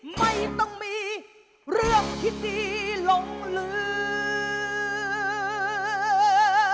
ไม่ต้องมีเรื่องที่ดีหลงเหลือ